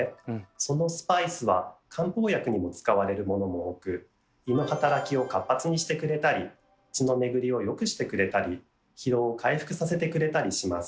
そのスパイスは漢方薬にも使われるものも多く胃の働きを活発にしてくれたり血の巡りを良くしてくれたり疲労を回復させてくれたりします。